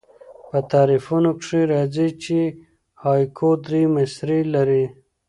په تعریفونو کښي راځي، چي هایکو درې مصرۍ لري.